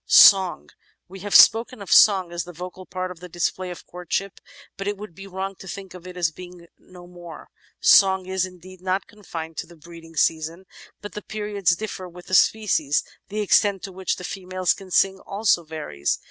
Song We have spoken of song as the vocal part in the display of courtship, but it would be wrong to think of it as being no more. Song is, indeed, not confined to the breeding season, but the periods differ with the species ; the extent to which the females can sing also varies.